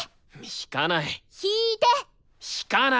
弾かない！